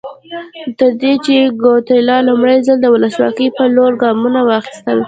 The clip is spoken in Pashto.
تر دې چې ګواتیلا لومړی ځل د ولسواکۍ په لور ګامونه واخیستل.